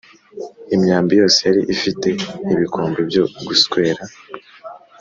imyambi yose yari ifite ibikombe byo guswera